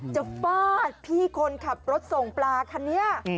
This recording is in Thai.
ฟาดพี่คนขับรถส่งปลาคันนี้